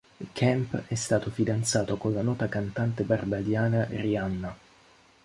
Kemp è stato fidanzato con la nota cantante barbadiana Rihanna.